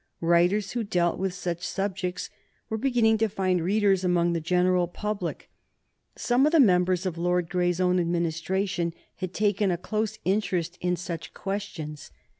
Writers who dealt with such subjects were beginning to find readers among the general public. Some of the members of Lord Grey's own Administration had taken a close interest in such questions.